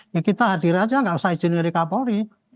ya kita hadir aja nggak usah izin dari kapolri